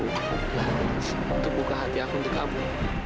nah untuk buka hati aku untuk kamu